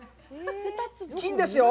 金ですよ。